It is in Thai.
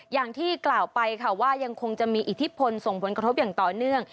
อย่างที่กล่าวไปค่ะว่ายังคงจะมีอิทธิพลส่งผลกระทบอย่างต่อเนื่อง